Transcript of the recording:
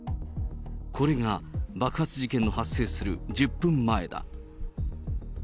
これが爆発事件の発生する１０分前だ。